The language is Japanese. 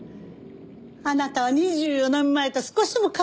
あなたは２４年前と少しも変わらないのね。